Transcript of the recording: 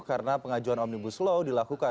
karena pengajuan omnibus law dilakukan